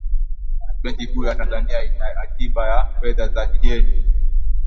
benki kuu ya tanzania ina akiba ya fedha za kigeni